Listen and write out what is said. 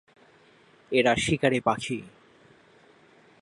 এরা শিকারী পাখি।